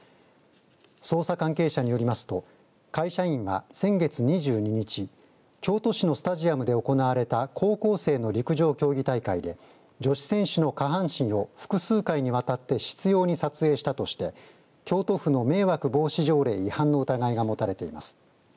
捜査関係者によりますと会社員は先月２２日京都市のスタジアムで行われた高校生の陸上競技大会で女子選手の下半身を複数回にわたって執ように撮影したとして京都府の迷惑防止条例違反の疑いが持たれています。